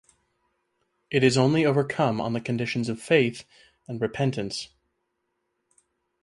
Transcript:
It is only overcome on the conditions of faith and repentance.